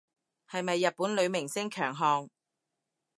係咪日本女明星強項